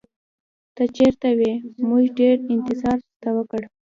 ته چېرته وې؟ موږ ډېر انتظار درته وکړ.